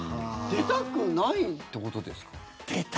出たくないってことですか？